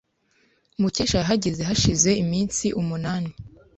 Mukesha yahageze hashize iminsi umunani.